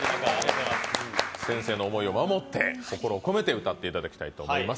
先生の思いを込めて、心を込めて歌っていただきたいと思います。